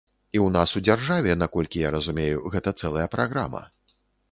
І ў нас у дзяржаве, наколькі я разумею, гэта цэлая праграма.